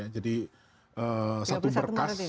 jadi satu berkas